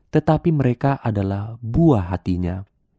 tetapi mereka adalah buah hatinya